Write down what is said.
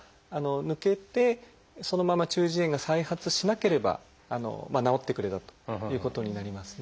抜けてそのまま中耳炎が再発しなければ治ってくれたということになりますね。